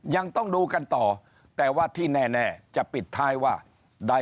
ยังต้องดูกันต่อแต่ว่าที่แน่จะปิดท้ายว่า